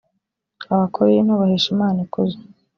abakorinto bahesha imana ikuzo